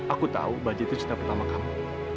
aku tahu baja itu cinta pertama kamu